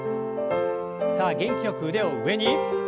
さあ元気よく腕を上に。